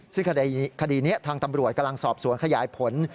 ซึ่งคดีนี้ทางตำรวจกำลังสอบสวนขยายผล